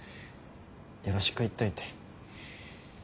よろしく言っといて。